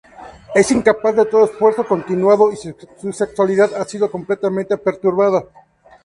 Es incapaz de todo esfuerzo continuado y su sexualidad ha sido completamente perturbada.